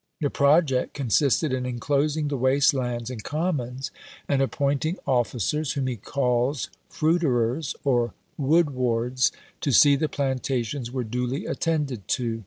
The project consisted in inclosing the waste lands and commons, and appointing officers, whom he calls fruiterers, or wood wards, to see the plantations were duly attended to.